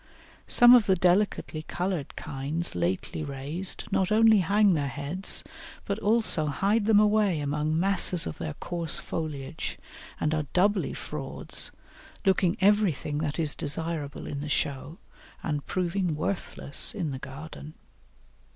Some of the delicately coloured kinds lately raised not only hang their heads, but also hide them away among masses of their coarse foliage, and are doubly frauds, looking everything that is desirable in the show, and proving worthless in the garden.